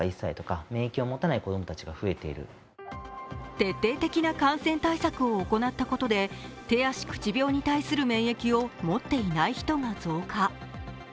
徹底的な感染対策を行ったことで手足口病に対する免疫を持っていない人が増加。